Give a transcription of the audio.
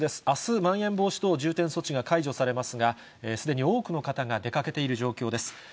あす、まん延防止等重点措置が解除されますが、すでに多くの方が出かけている状況です。